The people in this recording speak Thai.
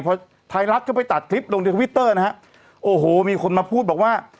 พอไทยรัฐก็ไปตัดคลิปลงในทวิตเตอร์นะฮะโอ้โหมีคนมาพูดบอกว่า